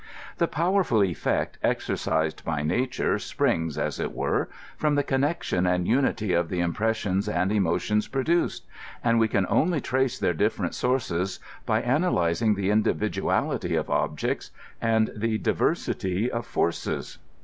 The powerful efiect exercised by nature springs, as it were, from the connection and unity of the impressions and emo tions produced ; and we can only trace their diflerent sources by analyzing the individuality of objects and the diversity of forces.